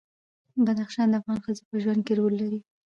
بدخشان د افغان ښځو په ژوند کې رول لري.